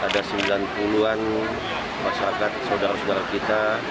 ada sembilan puluh an masyarakat saudara saudara kita